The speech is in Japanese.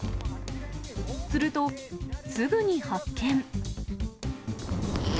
すると、すぐに発見。